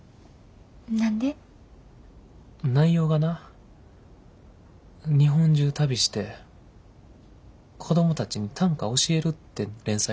内容がな日本中旅して子供たちに短歌教えるって連載で。